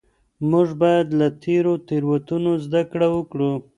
موږ باید له تیرو تېروتنو زده کړه وکړو.